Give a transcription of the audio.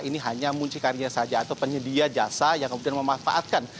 ini hanya muncikaria saja atau penyedia jasa yang kemudian memanfaatkan